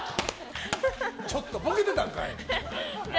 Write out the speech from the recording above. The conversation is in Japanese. ちょっとボケてたんかい！